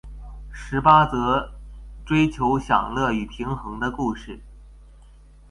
十八則追求享樂與平衡的故事